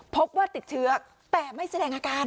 พบว่าติดเชื้อแต่ไม่แสดงอาการ